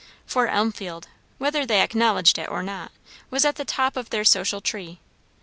For Elmfield, whether they acknowledged it or not, was at the top of their social tree.